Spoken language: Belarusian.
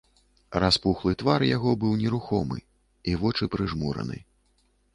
Распухлы твар яго быў нерухомы, і вочы прыжмураны.